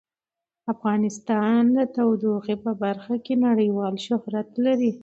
افغانستان د تودوخه په برخه کې نړیوال شهرت لري.